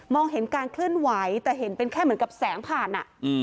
มองเห็นการเคลื่อนไว้แต่เห็นเป็นแค่แบบแสงผ่านอ่ะ